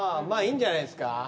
まあいいんじゃないですか？